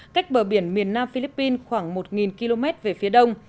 cách bờ biển miền nam philippines khoảng một km về phía đông